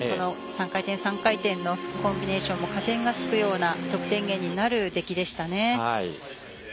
３回転、３回転のコンビネーションも加点がつくような得点源になる出来でしたね。